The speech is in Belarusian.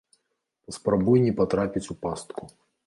Паспрабуй не патрапіць у пастку.